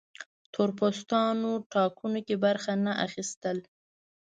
تور پوستان ټاکنو کې برخه نه اخیسته.